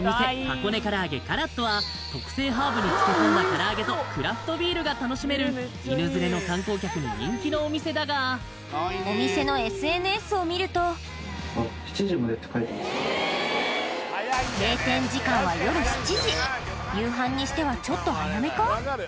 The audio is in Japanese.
箱根唐揚げＫＡＲＡＴＴＯは特製ハーブに漬け込んだ唐揚げとクラフトビールが楽しめる犬連れの観光客に人気のお店だがお店のＳＮＳを見ると夕飯にしてはちょっと早めか？